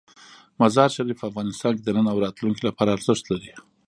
مزارشریف په افغانستان کې د نن او راتلونکي لپاره ارزښت لري.